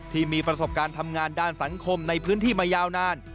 ที่มีประสบการณ์ทำงานด้านสังคมในพื้นที่มายาวนาน